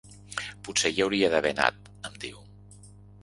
Potser hi hauria d’haver anat —em diu.